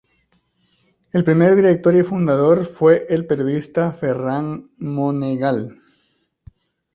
El primer director y fundador fue el periodista Ferran Monegal.